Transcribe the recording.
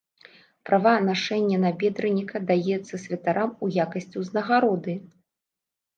Права нашэння набедраніка даецца святарам у якасці ўзнагароды.